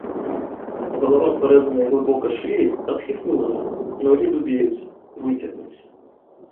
Галава з парэзанай глыбока шыяй адхіснулася, ногі дубеюць, выцягнуліся.